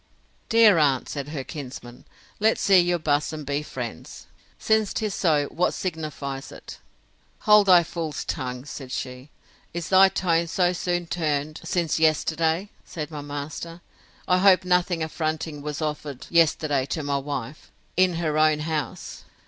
Dear aunt, said her kinsman, let's see you buss and be friends: since 'tis so, what signifies it? Hold thy fool's tongue! said she: Is thy tone so soon turned since yesterday? said my master, I hope nothing affronting was offered yesterday to my wife, in her own house.